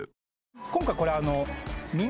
今回これ。